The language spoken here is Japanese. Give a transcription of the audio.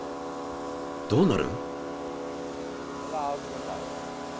どうなる？